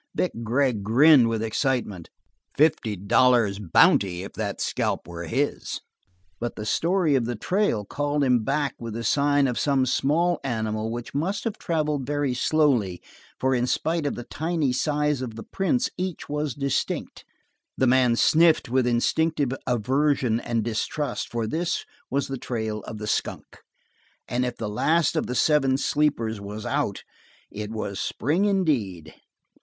Vic Gregg grinned with excitement; fifty dollars' bounty if that scalp were his! But the story of the trail called him back with the sign of some small animal which must have traveled very slowly, for in spite of the tiny size of the prints, each was distinct. The man sniffed with instinctive aversion and distrust for this was the trail of the skunk, and if the last of the seven sleepers was out, it was spring indeed.